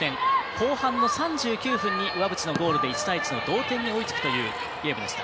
後半の３９分に岩渕のゴールで１対１の同点に追いつくというゲームでした。